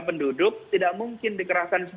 penduduk tidak mungkin dikerahkan